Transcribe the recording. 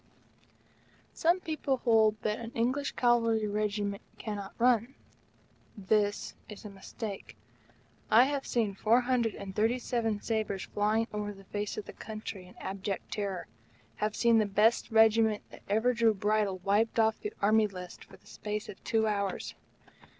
Some people hold that an English Cavalry regiment cannot run. This is a mistake. I have seen four hundred and thirty seven sabres flying over the face of the country in abject terror have seen the best Regiment that ever drew bridle, wiped off the Army List for the space of two hours.